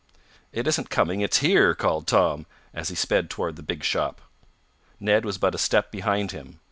"It isn't coming it's here!" called Tom, as he sped toward the big shop. Ned was but a step behind him.